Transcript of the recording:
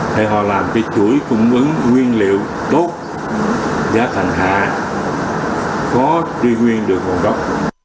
thì họ làm cái chuỗi cung ứng nguyên liệu tốt giá thành hạ có truy nguyên được hồn gốc